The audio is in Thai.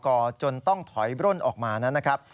จนต้องถอยร่นออกมานั้นนะครับ